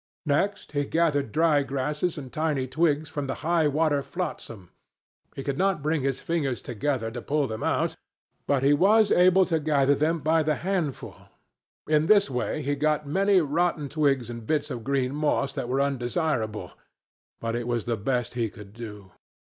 Next, he gathered dry grasses and tiny twigs from the high water flotsam. He could not bring his fingers together to pull them out, but he was able to gather them by the handful. In this way he got many rotten twigs and bits of green moss that were undesirable, but it was the best he could do.